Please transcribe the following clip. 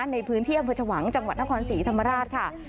ในพื้นที่อำเภอชวังจังหวัดนครศรีธรรมราชค่ะ